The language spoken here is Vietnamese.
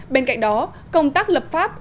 bên cạnh đó công tác lập pháp